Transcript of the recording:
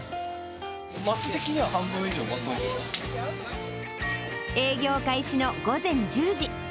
ます席には半分以上埋まって営業開始の午前１０時。